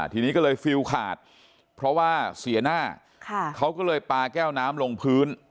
ทีนี้ก็เลยฟิลขาดเพราะว่าเสียหน้าเขาก็เลยปาแก้วน้ำลงพื้น